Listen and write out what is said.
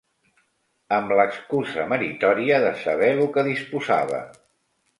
Amb l'excusa meritoria de saber lo que disposava